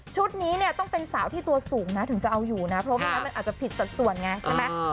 นี้เนี่ยต้องเป็นสาวที่ตัวสูงนะถึงจะเอาอยู่นะเพราะไม่งั้นมันอาจจะผิดสัดส่วนไงใช่ไหม